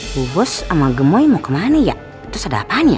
bu bos sama gemoy mau ke mana ya terus ada apaan ya